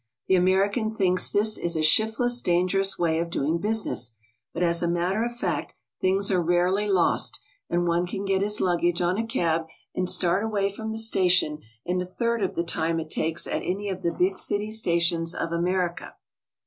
The American thinks this a shift less, dangerous way of doing business, but as a matter of fact things are rarely lost, and one can get his luggage on a cab and start away from the station in a third of the time it takes at any of the big city stations of America.